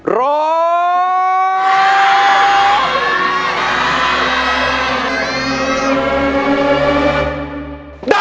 ร้อง